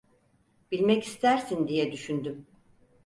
Bilmek istersin diye düşündüm.